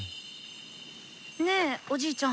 ねえおじいちゃん